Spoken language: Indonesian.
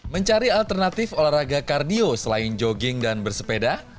mencari alternatif olahraga kardio selain jogging dan bersepeda